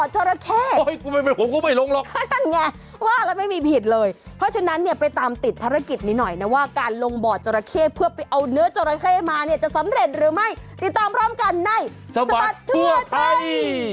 จอดละเข้มาจะสำเร็จหรือไม่ติดตามพร้อมกันในสมัติทั่วไทย